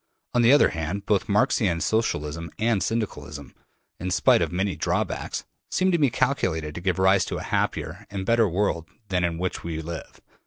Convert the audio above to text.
On the other hand, both Marxian Socialism and Syndicalism, in spite of many drawbacks, seem to me calculated to give rise to a happier and better world than that in which we live.